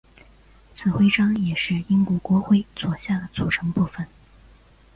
此徽章也是英国国徽左下的组成部分。